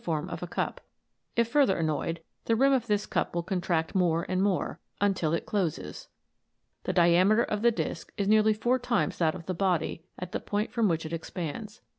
form of a cup; if further annoyed, the rim of this cup will contract more and more, until it closes. The diameter of the disc is nearly four times that of the body at the point from which it expands.